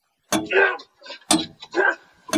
由鸡肉上天妇罗油炸而成。